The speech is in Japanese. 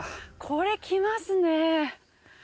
これきますね。